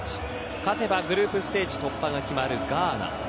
勝てばグループステージ突破が決まるガーナ。